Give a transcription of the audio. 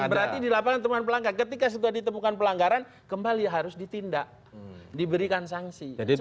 bukan berarti dilaporkan temuan pelanggaran ketika sudah ditemukan pelanggaran kembali harus ditindak diberikan sanksi